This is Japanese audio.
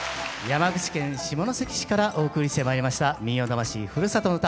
山口県下関市からお送りしてまいりました「民謡魂ふるさとの唄」